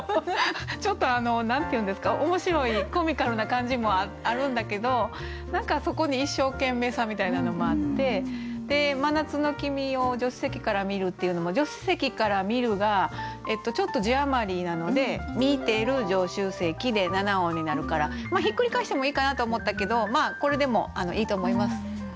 ちょっと何て言うんですか面白いコミカルな感じもあるんだけど何かそこに一生懸命さみたいなのもあって「真夏の君を助手席から見る」っていうのも「助手席から見る」がちょっと字余りなので「見てる助手席」で７音になるからひっくり返してもいいかなと思ったけどこれでもいいと思います。